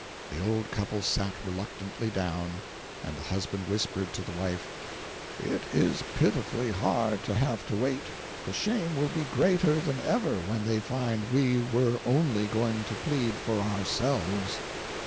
The old couple sat reluctantly down, and the husband whispered to the wife, "It is pitifully hard to have to wait; the shame will be greater than ever when they find we were only going to plead for OURSELVES."